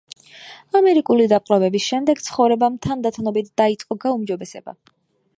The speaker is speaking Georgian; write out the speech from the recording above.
ამერიკული დაპყრობების შემდეგ, ცხოვრებამ თანდათანობით დაიწყო გაუმჯობესება.